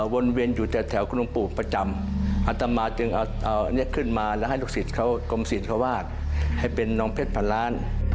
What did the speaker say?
วนเวียนอยู่แต่แถวคุณลุงปู่ประจำอัตมาจึงเอาอันนี้ขึ้นมาแล้วให้ลูกศิษย์เขากรมศิลป์ให้เป็นน้องเพชรพันล้าน